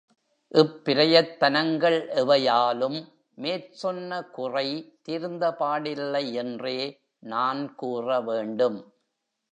இப் பிரயத்தனங்கள் எவையாலும் மேற்சொன்ன குறை தீர்ந்தபாடில்லை யென்றே நான் கூற வேண்டும்.